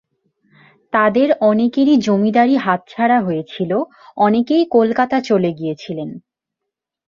তাদের অনেকেরই জমিদারি হাতছাড়া হয়েছিল, অনেকেই কলকাতা চলে গিয়েছিলেন।